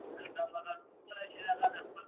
بې ځایه سوي په اوسني حکومت کي بشپړ استازي نه لري.